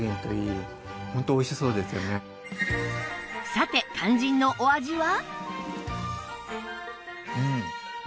さて肝心のお味は？